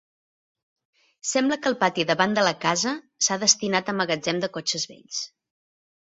Sembla que el pati davant de la casa s'ha destinat a magatzem de cotxes vells.